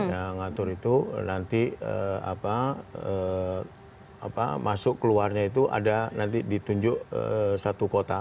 yang ngatur itu nanti masuk keluarnya itu ada nanti ditunjuk satu kota